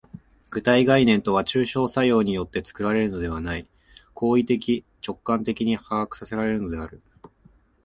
具体概念とは抽象作用によって作られるのではない、行為的直観的に把握せられるのである。